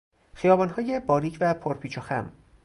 خیابانهای باریک و پرپیچ و خم